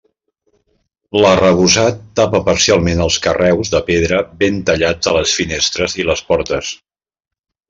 L'arrebossat tapa parcialment els carreus de pedra ben tallats de les finestres i les portes.